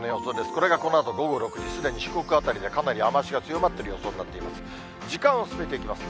これがこのあと午後６時、すでに四国辺りで、かなり雨足が強まっている予想になっています。